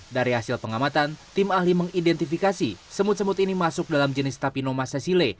dari hasil pengamatan tim ahli mengidentifikasi semut semut ini masuk dalam jenis tapinoma sesile